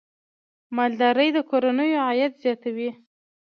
مالداري د کورنیو عاید زیاتوي.